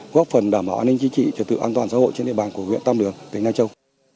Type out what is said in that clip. góp phần đảm bảo an ninh chính trị trật tự an toàn xã hội trên địa bàn của huyện tam đường tỉnh na châu